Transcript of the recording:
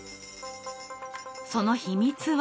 その秘密は？